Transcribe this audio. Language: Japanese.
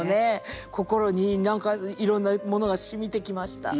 心に何かいろんなものがしみてきました。